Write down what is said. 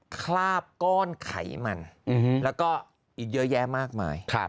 คราบก้อนไขมันแล้วก็อีกเยอะแยะมากมาย